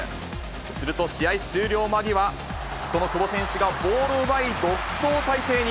すると試合終了間際、その久保選手がボールを奪い、独走態勢に。